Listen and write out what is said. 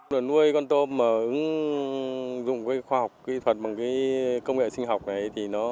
để nuôi con tôm mà ứng dụng khoa học kỹ thuật bằng công nghệ sinh học này